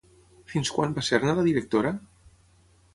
Fins quan va ser-ne la directora?